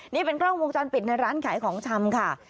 นี่เป็นกล้องวงจรปิดในร้านขายของชำค่ะ